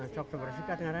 cukup bersikat gak ada